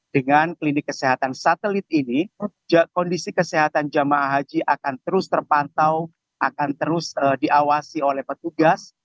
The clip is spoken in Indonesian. dengan klinik kesehatan satelit ini kondisi kesehatan jemaah haji akan terus terpantau akan terus diawasi oleh petugas